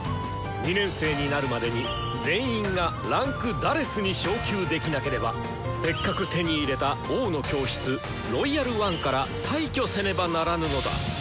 ２年生になるまでに全員が位階「４」に昇級できなければせっかく手に入れた「王の教室」「ロイヤル・ワン」から退去せねばならぬのだ！